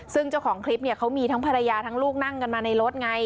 ซึ่งเจ้าของคลิปเนี่ยเขามีทั้งภรรยาทั้งลูกนั่งกันมาในรถไง